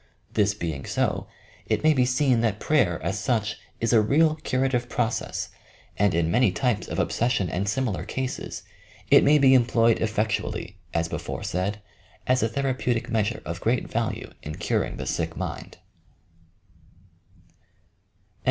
This being so, it may be seen that prayer, as such, is a real curative process and in many types of obsession and similar cases, it may be employed effectually, as before said, as a therapeutic measure of great value in curing the sick mind.